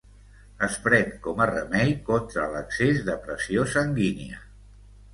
Es pren com a remei contra l'excés de pressió sanguínia.